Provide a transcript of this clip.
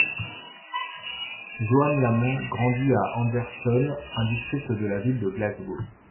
Johann Lamont grandit à Anderston, un district de la ville de Glasgow.